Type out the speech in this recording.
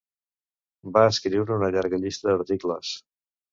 Va escriure una llarga llista d'articles.